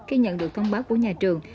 khi nhận được thông báo của nhà trường